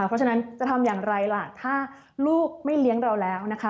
เพราะฉะนั้นจะทำอย่างไรล่ะถ้าลูกไม่เลี้ยงเราแล้วนะคะ